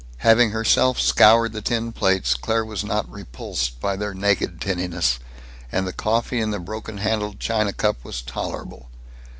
Having herself scoured the tin plates, Claire was not repulsed by their naked tinniness; and the coffee in the broken handled china cup was tolerable.